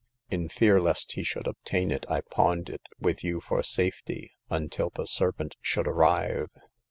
In fear lest he should obtain it, I pawned it with you for safety, until the servant should arrive."